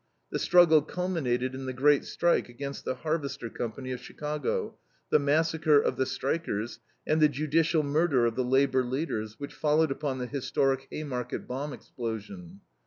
The struggle culminated in the great strike against the Harvester Company of Chicago, the massacre of the strikers, and the judicial murder of the labor leaders, which followed upon the historic Haymarket bomb explosion.